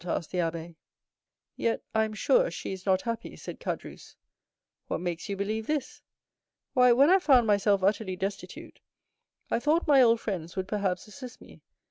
asked the abbé. "Yet, I am sure, she is not happy," said Caderousse. "What makes you believe this?" "Why, when I found myself utterly destitute, I thought my old friends would, perhaps, assist me.